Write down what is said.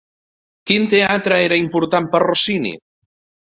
Quin teatre era important per Rossini?